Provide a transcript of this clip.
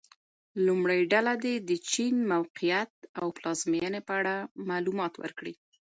لومړۍ ډله دې د چین موقعیت او پلازمېنې په اړه معلومات ورکړي.